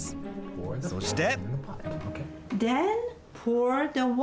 そして？